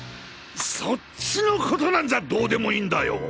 そっちのことなんざどうでもいいんだよ！